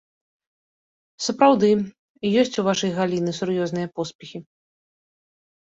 Сапраўды, ёсць у вашай галіны сур'ёзныя поспехі.